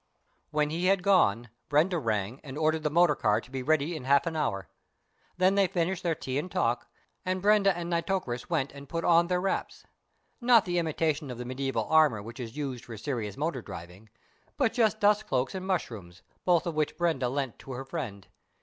When he had gone, Brenda rang and ordered the motor car to be ready in half an hour. Then they finished their tea and talk, and Brenda and Nitocris went and put on their wraps not the imitation of the mediæval armour which is used for serious motor driving, but just dust cloaks and mushrooms, both of which Brenda lent to her friend.